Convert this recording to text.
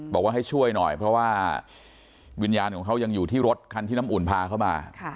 บอกว่าให้ช่วยหน่อยเพราะว่าวิญญาณของเขายังอยู่ที่รถคันที่น้ำอุ่นพาเข้ามา